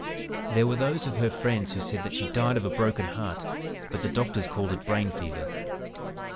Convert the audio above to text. "There were those of her friends who said that she died of a broken heart, but the doctors called it 'brain fever.'